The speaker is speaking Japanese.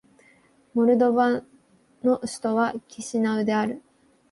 モルドバの首都はキシナウである